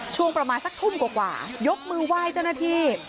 ช่วงประมาณสักทุ่มกว่ายกมือไหว้เจ้าหน้าที่